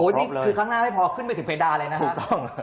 นี่คือครั้งหน้าให้พอขึ้นไปถึงเพดาเลยนะครับ